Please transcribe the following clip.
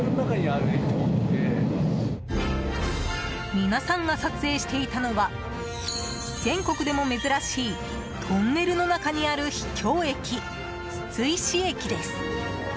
皆さんが撮影していたのは全国でも珍しいトンネルの中にある秘境駅筒石駅です。